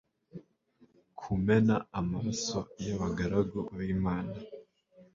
kumena amaraso y'abagaragu b'Imana.